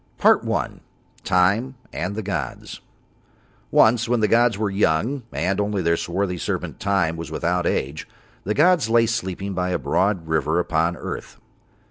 PART I. TIME AND THE GODS Once when the gods were young and only Their swarthy servant Time was without age, the gods lay sleeping by a broad river upon earth.